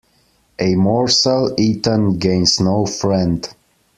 A morsel eaten gains no friend.